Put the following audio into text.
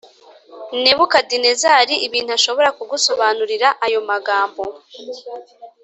Nebukadinezari ibintu Ashobora kugusobanurira ayo magambo